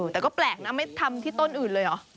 แต่ก็แปลกนะไม่ทำที่ต้นอื่นเลยเหรอ